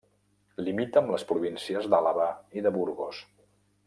Limita amb les províncies d'Àlaba i de Burgos.